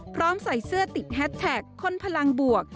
ใส่เสื้อติดแฮสแท็กคนพลังบวก